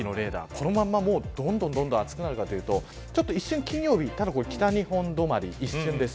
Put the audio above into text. このままどんどん暑くなるかというと一瞬、金曜日ただ北日本止まり、一瞬です。